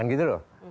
kan gitu loh